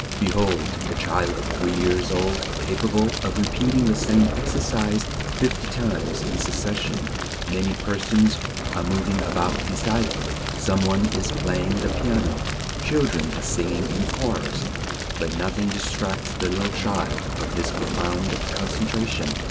Behold a child of three years old capable of repeating the same exercise fifty times in succession; many persons are moving about beside him; some one is playing the piano; children are singing in chorus; but nothing distracts the little child from his profound concentration.